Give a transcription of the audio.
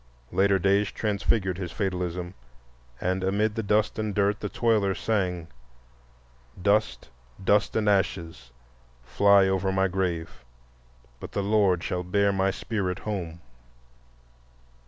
Later days transfigured his fatalism, and amid the dust and dirt the toiler sang: "Dust, dust and ashes, fly over my grave, But the Lord shall bear my spirit home."